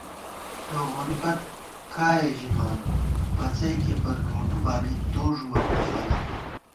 ڈوغوری بت کائے ژِمان، پڅئیکےپت گوڈُو بالی تو ݫُوامہ فَلہ